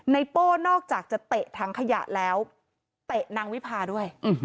โป้นอกจากจะเตะถังขยะแล้วเตะนางวิพาด้วย